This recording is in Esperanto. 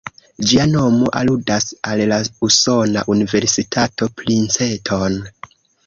Ĝia nomo aludas al la usona Universitato Princeton.